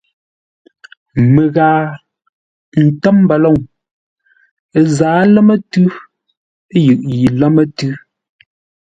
Məghaa, ə́ ntə́m mbəlôŋ. Ə zǎa lámə́-tʉ́ yʉʼ yi lámə́-tʉ́.